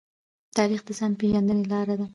تاریخ د ځان پېژندنې لاره ده.